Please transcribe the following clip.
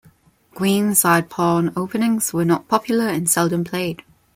Queen side pawn openings were not popular and seldom played.